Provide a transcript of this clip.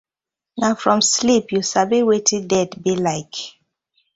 Na from sleep yu sabi wetin death bi like.